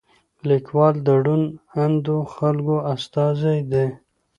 لیکوال د روڼ اندو خلکو استازی دی.